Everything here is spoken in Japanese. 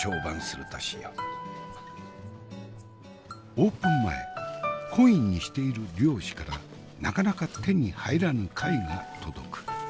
オープン前懇意にしている漁師からなかなか手に入らぬ貝が届く。